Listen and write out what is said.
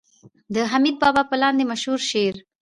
د حميد بابا په لاندې مشهور شعر